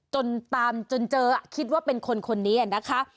จนตามจนเจอคิดว่าเป็นคนคนนี้นะคะ